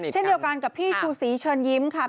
เช่นเดียวกันกับพี่ชูศรีเชิญยิ้มค่ะ